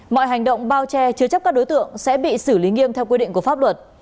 mọi hành động bao che chứa chấp các đối tượng sẽ bị xử lý nghiêm theo quy định của pháp luật